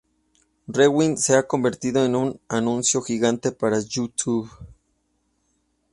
Rewind se ha convertido en un anuncio gigante para YouTube".